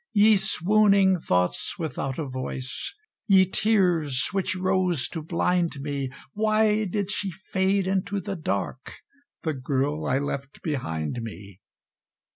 Ye swooning thoughts without a voice ye tears which rose to blind me, Why did she fade into the Dark, the Girl I left behind me.